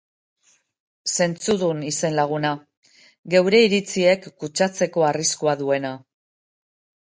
Zentzudun, izlag. Geure iritziek kutsatzeko arriskua duena.